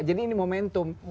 jadi ini momentum